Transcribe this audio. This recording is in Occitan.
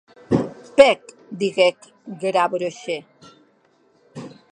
Pèc, didec Gavroche.